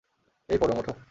এই পরম, ওঠো!